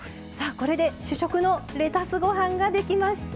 これで主食のレタスご飯ができました。